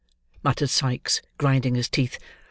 muttered Sikes, grinding his teeth.